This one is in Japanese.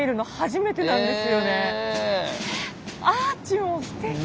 アーチもすてき！